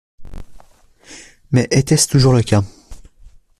Mais était-ce toujours le cas?